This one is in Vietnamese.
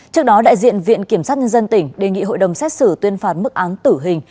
trước đó đại diện viện kiểm sát nhân dân tỉnh đề nghị hội đồng xét xử tuyên phạt mức án tử hình